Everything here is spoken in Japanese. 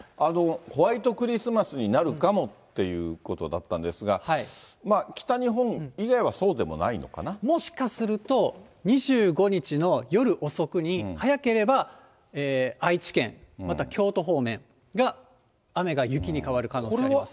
ホワイトクリスマスになるかもっていうことだったんですが、もしかすると、２５日の夜遅くに、早ければ愛知県、また京都方面が、雨が雪に変わる可能性があります。